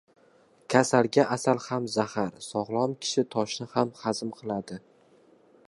• Kasalga asal ham zahar, sog‘lom kishi toshni ham hazm qiladi.